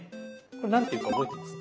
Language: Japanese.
これ何て言うか覚えてます？